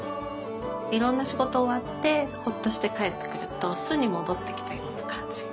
いろんな仕事終わってほっとして帰ってくると巣に戻ってきたような感じ。